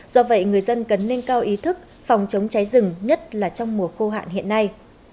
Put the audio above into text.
do vậy người dân cần nâng cao ý thức phòng chống cháy rừng nhất là trong mùa khô hạn hiện nay